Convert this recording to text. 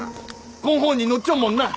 こん本に載っちょっもんな！